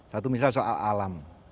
satu misalnya soal alam